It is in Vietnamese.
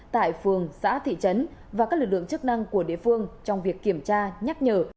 tại phường xã thị trấn và các lực lượng chức năng của địa phương trong việc kiểm tra nhắc nhở